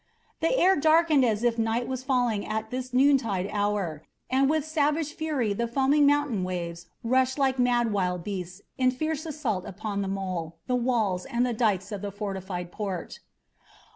The air darkened as if night was falling at this noontide hour, and with savage fury the foaming mountain waves rushed like mad wild beasts in fierce assault upon the mole, the walls, and the dikes of the fortified port.